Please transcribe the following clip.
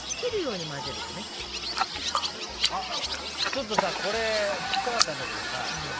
ちょっとさこれ聞きたかったんだけどさ